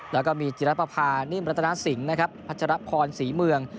แล้วก็มีจิรปภานิ่มรัตนาสิงห์นะครับพัชรพรศรีเมือง